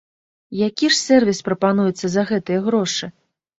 Які ж сервіс прапануецца за гэтыя грошы?